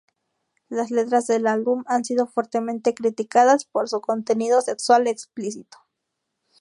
Las letras del álbum han sido fuertemente criticadas por su contenido sexual explícito.